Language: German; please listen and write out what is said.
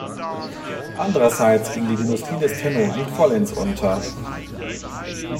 Andererseits ging die Dynastie des Tenno nicht vollends unter.